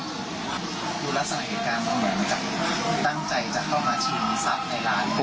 ดูลักษณะเหตุการณ์เหมือนกับตั้งใจจะเข้ามาชิงซับในร้าน